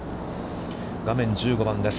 画面、１５番です。